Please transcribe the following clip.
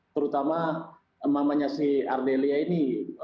terutama mamanya si ardelia ini